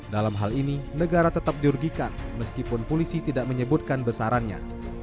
dalam hal ini negara tetap dirugikan meskipun polisi tidak menyebutkan besarannya